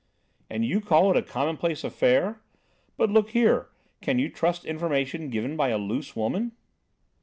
"And you call it a commonplace affair? But, look here, can you trust information given by a loose woman?"